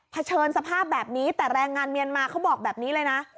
เชิดสภาพแบบนี้แต่แรงงานเมียนมาเขาบอกแบบนี้เลยนะ